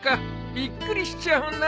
びっくりしちゃうな。